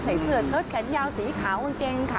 ใส่เสื้อเชิชข์แขนแยวสีขาวเศร้าเป็นเปล่า